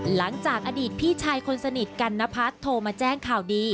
หลังจากอดีตพี่ชายคนสนิทกันนพัฒน์โทรมาแจ้งข่าวดี